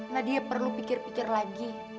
nadia perlu pikir pikir lagi